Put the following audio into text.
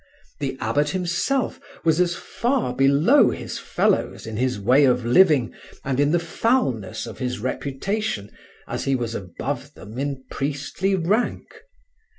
The abbot himself was as far below his fellows in his way of living and in the foulness of his reputation as he was above them in priestly rank.